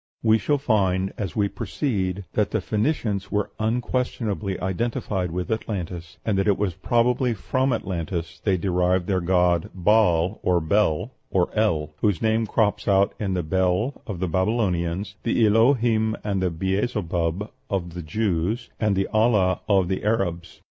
We shall find, as we proceed, that the Phoenicians were unquestionably identified with Atlantis, and that it was probably from Atlantis they derived their god Baal, or Bel, or El, whose name crops out in the Bel of the Babylonians, the Elohim, and the Beelzebub of the Jews, and the Allah of the Arabians.